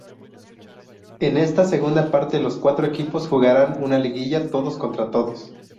En esta segunda parte los cuatro equipos jugarán una liguilla todos contra todos.